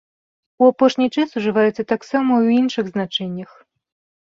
У апошні час ужываецца таксама і ў іншых значэннях.